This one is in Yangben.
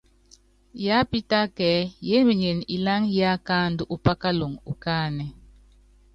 Yiápítáka ɛ́ɛ́ yémenyen iláŋa yíikáandú upákalɔŋu ukáánɛ́.